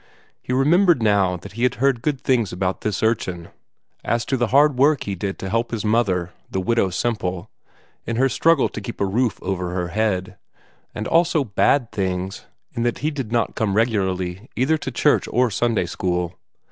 He remembered now that he had heard good things of this urchin, as to the hard work he did to help his mother, the Widow Semple, in her struggle to keep a roof over her head; and also bad things, in that he did not come regularly either to church or Sunday school.